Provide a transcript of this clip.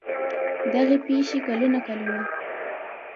دغې پېښې کلونه کلونه